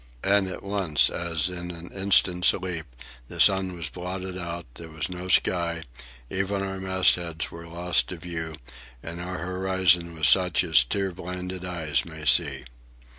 And at once, as in an instant's leap, the sun was blotted out, there was no sky, even our mastheads were lost to view, and our horizon was such as tear blinded eyes may see.